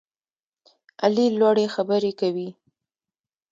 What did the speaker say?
علي لوړې خبرې کوي.